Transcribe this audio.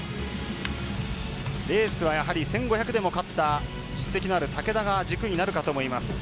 レースはやはり１５００でも勝った実績がある竹田が軸になるかと思います。